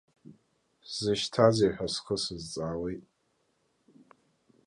Сзышьҭазеи ҳәа схы сазҵаауеит.